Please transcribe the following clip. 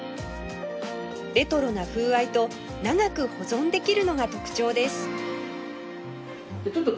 レトロな風合いと長く保存できるのが特徴です